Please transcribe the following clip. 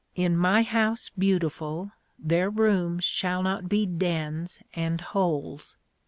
In my house beautiful their rooms shall not be dens and holes.